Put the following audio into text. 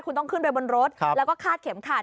คุณต้องขึ้นไปบนรถแล้วก็คาดเข็มขัด